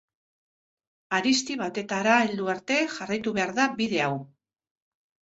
Harizti batetara heldu arte jarraitu behar da bide hau.